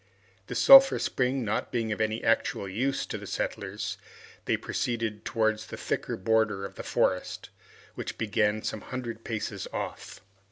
The sulphur spring not being of any actual use to the settlers, they proceeded towards the thick border of the forest, which began some hundred paces off.